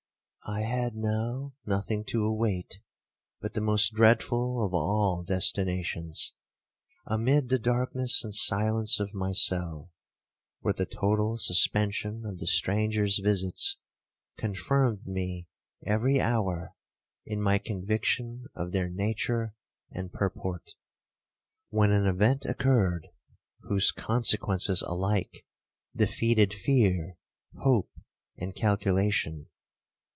'I had now nothing to await but the most dreadful of all destinations, amid the darkness and silence of my cell, where the total suspension of the stranger's visits confirmed me every hour in my conviction of their nature and purport, when an event occurred, whose consequences alike defeated fear, hope, and calculation.